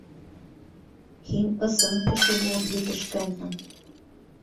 Һин ысын кеше булып етешкәнһең...